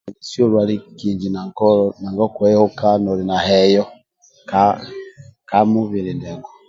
Nesi olwali kihinji na nkolo na nanga okweyokiaga heyo ka mubili ndiako